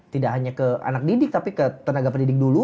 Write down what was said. tidak hanya ke anak didik tapi ke tenaga pendidik dulu